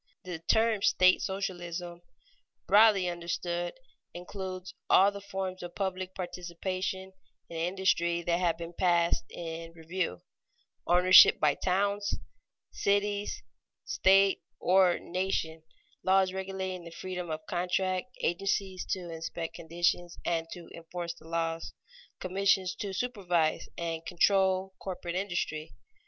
_ The term state socialism, broadly understood, includes all the forms of public participation in industry that have been passed in review: ownership by towns, cities, state, or nation; laws regulating the freedom of contract; agencies to inspect conditions and to enforce the laws; commissions to supervise and control corporate industry.